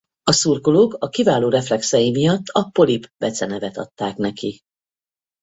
A szurkolók a kiváló reflexei miatt a polip becenevet adták neki.